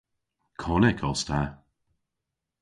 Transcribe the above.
Konnyk os ta.